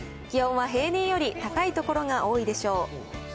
気温は平年より高い所が多いでしょう。